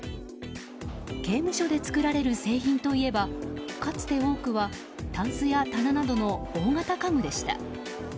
刑務所で作られる製品といえばかつて多くはたんすや棚などの大型家具でした。